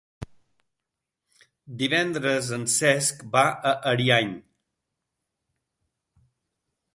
Divendres en Cesc va a Ariany.